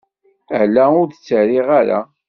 Ala, ur d-ttarriɣ ara.